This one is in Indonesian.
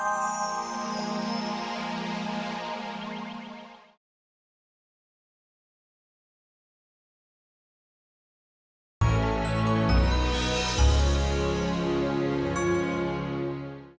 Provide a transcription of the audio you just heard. sampai jumpa lagi